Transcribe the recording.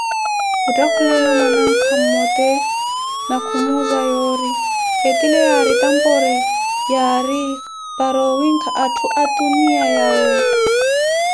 Khuttakhulana mwanankha mmote ni khumuuza yoori, etile aariina yaari tamboori, yaari para owiikha atthu atuniya yawe.